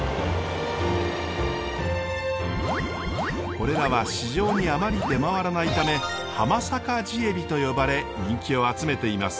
これらは市場にあまり出回らないため浜坂地エビと呼ばれ人気を集めています。